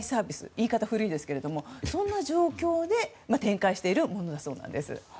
言い方が古いですがそんな状況で展開しているものなんだそうです。